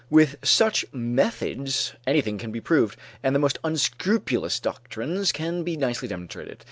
With such methods anything can be proved, and the most unscrupulous doctrines can be nicely demonstrated.